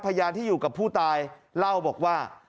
พยานที่อยู่กับผู้ตายเล่าบอกว่า